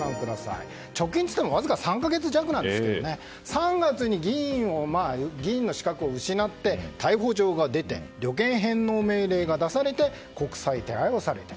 直近といってもわずか３か月弱なんですが３月に議員の資格を失って逮捕状が出て旅券返納命令が出されて国際手配をされた。